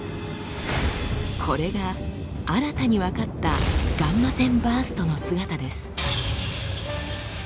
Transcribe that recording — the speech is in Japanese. これが新たに分かったガンマ線バーストの姿です。